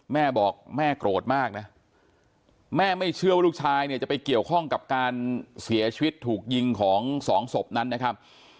แม่บอกแม่โกรธมากนะแม่ไม่เชื่อว่าลูกชายเนี่ยจะไปเกี่ยวข้องกับการเสียชีวิตถูกยิงของสองศพนั้นนะครับ